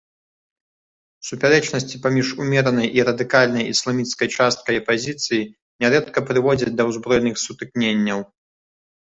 Супярэчнасці паміж умеранай і радыкальнай ісламісцкай часткай апазіцыі нярэдка прыводзяць да ўзброеных сутыкненняў.